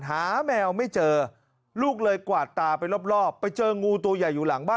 แมวไม่เจอลูกเลยกวาดตาไปรอบไปเจองูตัวใหญ่อยู่หลังบ้าน